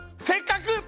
せっかく！